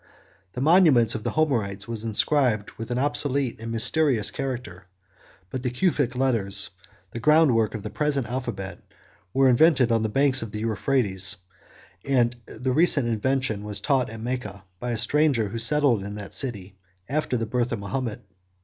The monuments of the Homerites were inscribed with an obsolete and mysterious character; but the Cufic letters, the groundwork of the present alphabet, were invented on the banks of the Euphrates; and the recent invention was taught at Mecca by a stranger who settled in that city after the birth of Mahomet.